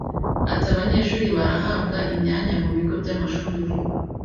Ati “Abanyeshuri barahabwa imyanya mu bigo by’amashuri vuba